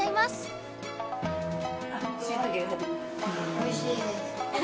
おいしいです。